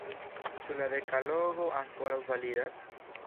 Ĉu la dekalogo ankoraŭ validas?